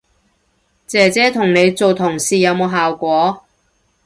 姐姐同你做同事有冇效果